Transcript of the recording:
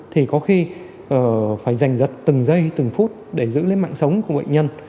thì có khi phải dành giật từng giây từng phút để giữ lên mạng sống của bệnh nhân